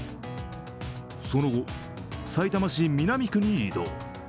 その後、さいたま市南区に移動。